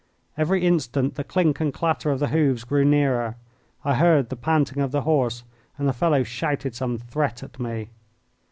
Every instant the clink and clatter of the hoofs grew nearer. I heard the panting of the horse, and the fellow shouted some threat at me.